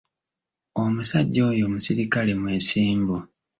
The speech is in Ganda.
Omusajja oyo muserikale mwesimbu.